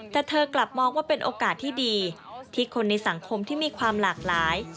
แต่เธอกลับมองว่าเป็นโอกาสที่ดีที่คนในสังคมที่มีความหลากหลาย